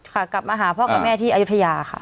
ค่ะกลับมาหาพ่อว่าไบ้แม่ที่อยุธยาค่ะ